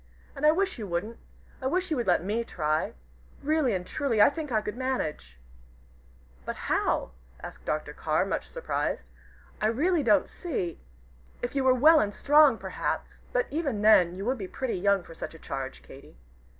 And I wish you wouldn't. I wish you would let me try. Really and truly, I think I could manage." "But how?" asked Dr. Carr, much surprised. "I really don't see. If you were well and strong, perhaps but even then you would be pretty young for such a charge, Katy."